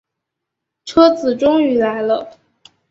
车子终于来了